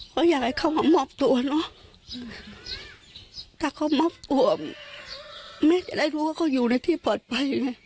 เขาอยากให้เขามามอบตัวเนอะถ้าเขามอบตัวไม่ได้รู้ว่าเขาอยู่ในที่ปลอดภัยไง